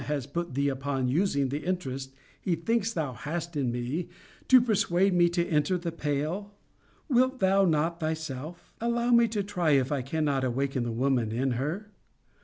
has put thee upon using the interest he thinks thou hast in me, to persuade me to enter the pale; wilt thou not thyself) allow me to try if I cannot awaken the woman in her?